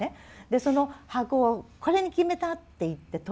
その箱を「これに決めた」って言って取るでしょ。